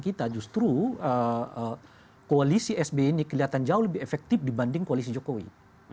kita justru koalisi sby ini kelihatan jauh lebih efektif dibanding koalisi jokowi